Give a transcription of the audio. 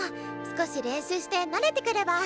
少し練習して慣れてくれば。